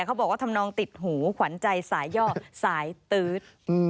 เขาบอกว่าทำนองติดหูขวัญใจสายย่อสายตื๊ด